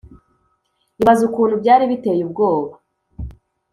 Ibaze ukuntu byari biteye ubwoba